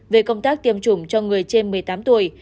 về công tác tiêm chủng cho người trên một mươi tám tuổi